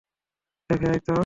দেখে আয় তো।